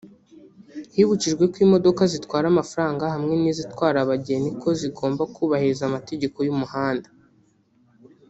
Hibukijwe ko imodoka zitwara amafaranga hamwe n’izitwara abageni ko zigomba kubahiriza amategeko y’umuhanda